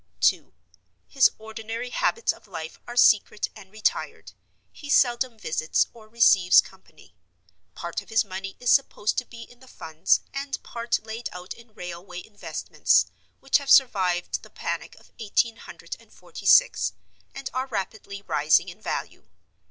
(2.) His ordinary habits of life are secret and retired; he seldom visits, or receives company. Part of his money is supposed to be in the Funds, and part laid out in railway investments, which have survived the panic of eighteen hundred and forty six, and are rapidly rising in value.